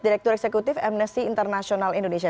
direktur eksekutif mnsc internasional indonesia